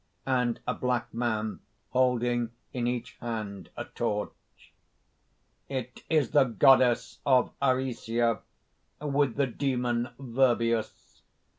.........and a black man, holding in each hand a torch._) "It is the goddess of Aricia, with the demon Virbius.